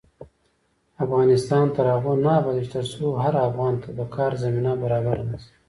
افغانستان تر هغو نه ابادیږي، ترڅو هر افغان ته د کار زمینه برابره نشي.